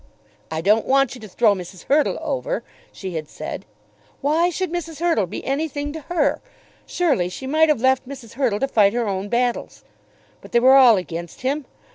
"I don't want you to throw Mrs. Hurtle over," she had said. Why should Mrs. Hurtle be anything to her? Surely she might have left Mrs. Hurtle to fight her own battles. But they were all against him.